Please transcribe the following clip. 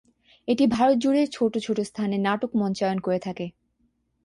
এটি ভারত জুড়ে ছোট ছোট স্থানে নাটক মঞ্চায়ন করে থাকে।